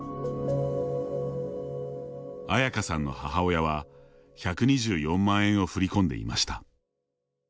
アヤカさんの母親は１２４万円を振り込んでいました。